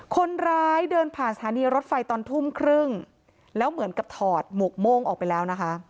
คนร้ายเดินผ่านสถานีรถไฟตอนทุ่มครึ่งแล้วเหมือนกับถอดหมวกโม่งออกไปแล้วนะคะ